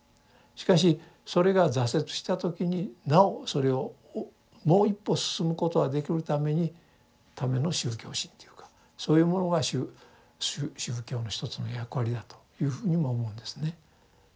しかしそれが挫折した時になおそれをもう一歩進むことはできるためにための宗教心というかそういうものが宗教の一つの役割だというふうにも思うんですね。